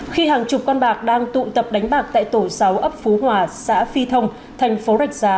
khi hàng chục con bạc đang tụ tập đánh bạc tại tổ sáu ấp phú hòa xã phi thông thành phố rạch giá